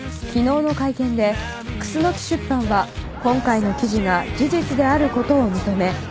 昨日の会見でクスノキ出版は今回の記事が事実であることを認め謝罪しました。